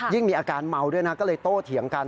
ยิ่งมีอาการเมาด้วยก็เลยโตเถียงกัน